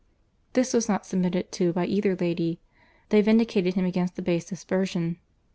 This was not submitted to by either lady. They vindicated him against the base aspersion.